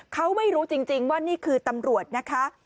เขาไม่รู้จริงว่านี่คือตำรวจนะคะ